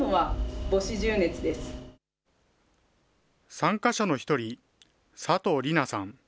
参加者の１人、佐藤里奈さん。